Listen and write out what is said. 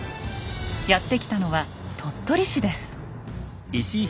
やって来たのは鳥取市です。